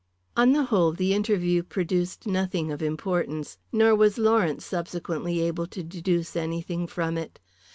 On the whole, the interview produced nothing of importance. Nor was Lawrence subsequently able to deduce anything from it.